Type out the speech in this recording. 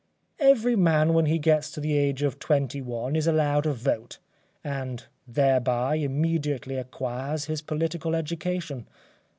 Every man when he gets to the age of twenty one is allowed a vote, and thereby immediately acquires his political education.